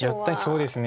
そうですね。